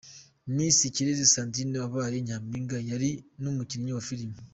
Miss Ikirezi Sandrine wabaye nyampinga yari n’ umukinnyi wa filime.